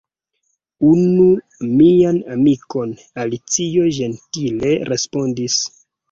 "Unu mian amikon," Alicio ĝentile respondis. "